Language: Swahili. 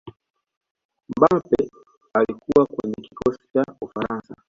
mbappe alikuwa kwenye kikosi cha ufaransa